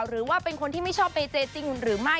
หรือว่าเป็นคนที่ไม่ชอบเจจริงหรือไม่